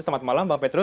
selamat malam pak petrus